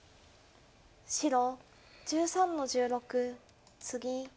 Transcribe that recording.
白１３の十六ツギ。